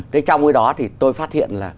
thế trong cái đó thì tôi phát hiện là